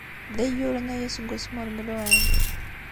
D ayyuren aya seg wasmi ur mluɛan.